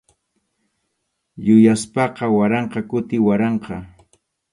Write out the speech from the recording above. Yupaspaqa waranqa kuti waranqa.